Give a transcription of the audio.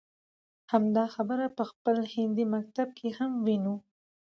همدا خبره په خپل هندي مکتب کې هم وينو.